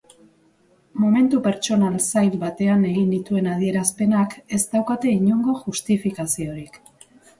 Momentu pertsonal zail batean egin nituen adierazpenak ez daukate inongo justifikaziorik.